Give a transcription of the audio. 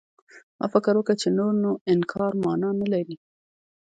ما فکر وکړ چې نور نو انکار مانا نه لري.